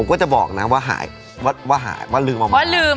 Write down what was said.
อือหือหือหือเป็น